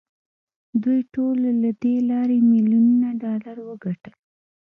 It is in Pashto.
دوی ټولو له دې لارې میلیونونه ډالر وګټل